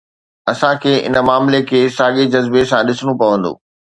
اسان کي ان معاملي کي ساڳي جذبي سان ڏسڻو پوندو.